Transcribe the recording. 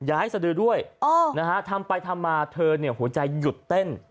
ย้ายสดือด้วยทำไปทำมาเธอเนี่ยหัวใจหยุดเต้น